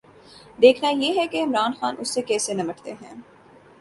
دیکھنا یہ ہے کہ عمران خان اس سے کیسے نمٹتے ہیں۔